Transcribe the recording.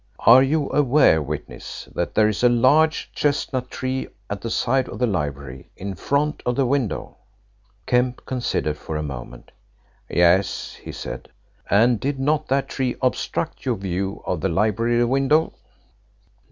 "Are you aware, witness, that there is a large chestnut tree at the side of the library, in front of the window?" Kemp considered for a moment. "Yes," he said. "And did not that tree obstruct your view of the library window?"